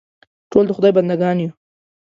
ټول د خدای بندهګان یو.